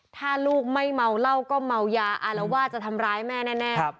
ถ้าลูกไม่เมาเหล้าก็เมายาอารวาสจะทำร้ายแม่แน่